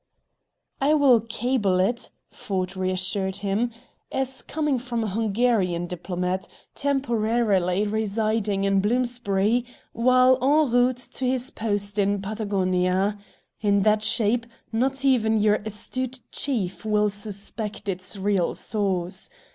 "I will cable it," Ford reassured him, "as coming from a Hungarian diplomat, temporarily residing in Bloomsbury, while en route to his post in Patagonia. In that shape, not even your astute chief will suspect its real source.